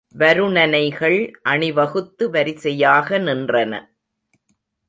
வருணனைகள் அணிவகுத்து வரிசையாக நின்றன.